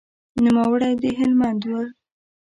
نوموړی د هلمند و.